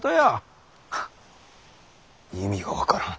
意味が分からん。